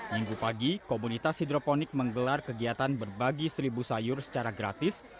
minggu pagi komunitas hidroponik menggelar kegiatan berbagi seribu sayur secara gratis